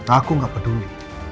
aku gak peduli